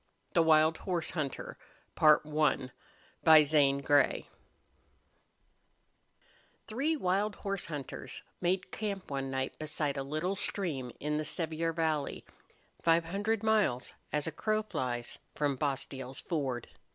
The Wild Horse Hunter By Zane Grey I THREE wild horse hunters made camp one night beside a little stream in the Sevier Valley, five hundred miles, as a crow flies, from Bostil's Ford.